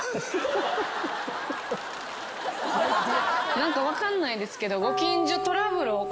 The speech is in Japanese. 何か分かんないですけど。